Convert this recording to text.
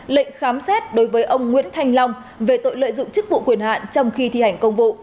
lệnh khám xét đối với ông nguyễn thanh long về tội lợi dụng chức vụ quyền hạn trong khi thi hành công vụ